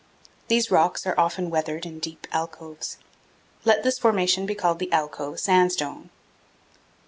These rocks are often weathered in deep alcoves. Let this formation be called the alcove sandstone.